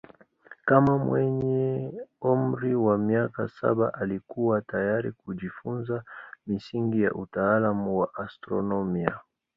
Kama mwenye umri wa miaka saba alikuwa tayari kujifunza misingi ya utaalamu wa astronomia.